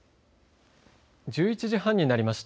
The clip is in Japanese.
１１時半になりました。